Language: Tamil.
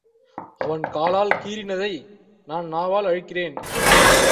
அவன் காலால் கீறினதை நான் நாவால் அழிக்கிறேன்.